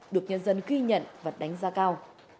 được nhân dân ghi nhận và đánh giá cao